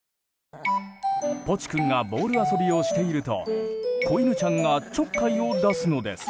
ポチ君がボール遊びをしていると子犬ちゃんがちょっかいを出すのです。